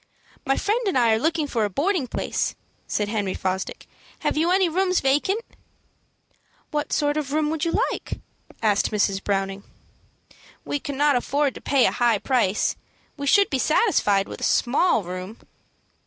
"My friend and I are looking for a boarding place," said Henry Fosdick. "Have you any rooms vacant?" "What sort of a room would you like?" asked Mrs. Browning. "We cannot afford to pay a high price. We should be satisfied with a small room."